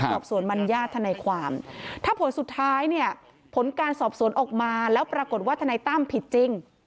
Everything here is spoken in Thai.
สอบสวนมัญญาติทนายความถ้าผลสุดท้ายเนี่ยผลการสอบสวนออกมาแล้วปรากฏว่าทนายตั้มผิดจริง